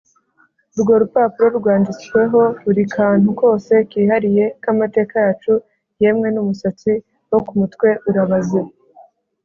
urwo rupapuro rwanditsweho buri kantu kose kihariye k’amateka yacu; yemwe n’umusatsi wo ku mutwe urabaze